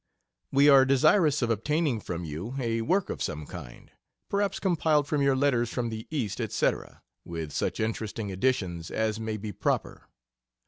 We are desirous of obtaining from you a work of some kind, perhaps compiled from your letters from the East, &c., with such interesting additions as may be proper.